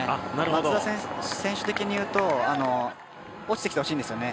松田選手的に言うと落ちてきてほしいんですよね